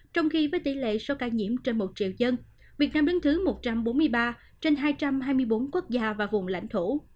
trong khi với tỷ lệ số ca nhiễm trên một triệu dân việt nam đứng thứ một trăm bốn mươi ba trên hai trăm hai mươi bốn quốc gia và vùng lãnh thổ